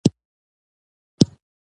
استاده هغه به په پيسو څه وکي.